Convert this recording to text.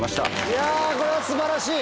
いやこれは素晴らしい！